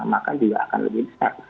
maka juga akan lebih besar